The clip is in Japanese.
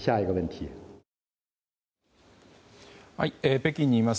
北京にいます